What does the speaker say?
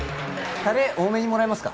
タレ多めにもらえますか？